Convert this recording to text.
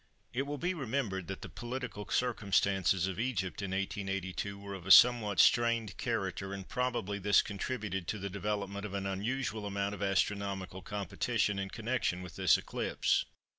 It will be remembered that the political circumstances of Egypt in 1882 were of a somewhat strained character and probably this contributed to the development of an unusual amount of astronomical competition in connection with this eclipse.